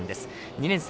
２年生。